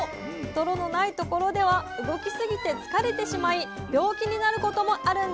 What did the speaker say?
泥のない所では動きすぎて疲れてしまい病気になることもあるんです。